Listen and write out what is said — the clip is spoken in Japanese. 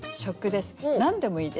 何でもいいです。